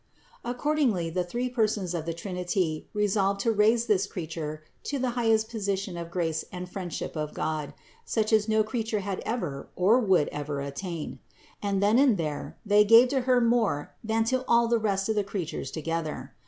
Accordingly the three Persons of the Trinity resolved to raise this Creature to the highest position of grace and friendship of God, such as no creature had ever or would ever attain; and then and there They gave to Her more than to all the rest of creatures together.